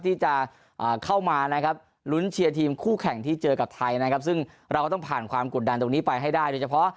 ที่จะเข้ามานะครับลุ้นเชียร์ทีมคู่แข่งที่เจอกับไทยนะครับซึ่งเราก็ต้องผ่านความกดดันตรงนี้ไปให้ได้โดยเฉพาะ